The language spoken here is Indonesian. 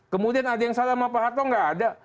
kemudian ada yang salah sama pak harto nggak ada